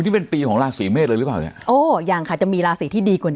นี่เป็นปีของราศีเมษเลยหรือเปล่าเนี่ยโอ้ยังค่ะจะมีราศีที่ดีกว่านี้